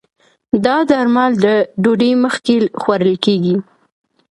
دا درمل د ډوډی مخکې خوړل کېږي